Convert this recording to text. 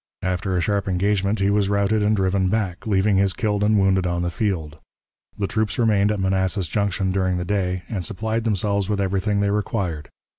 After a sharp engagement he was routed and driven back, leaving his killed and wounded on the field. The troops remained at Manassas Junction during the day, and supplied themselves with everything they required.